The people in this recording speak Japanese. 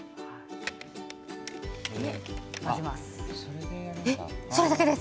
混ぜます。